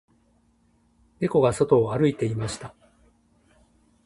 猫が外を歩いていました